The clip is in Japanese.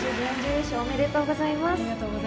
ありがとうございます。